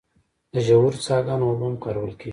د ژورو څاګانو اوبه هم کارول کیږي.